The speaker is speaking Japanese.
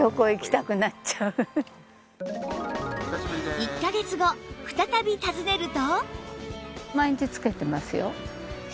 １カ月後再び訪ねると